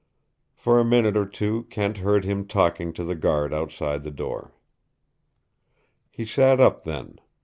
For a minute or two Kent heard him talking to the guard outside the door. He sat up then.